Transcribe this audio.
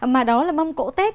mà đó là mâm cỗ tết